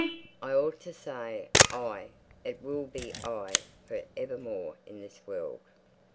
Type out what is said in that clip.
"I ought to say 'I;' it will be 'I' for evermore in this world."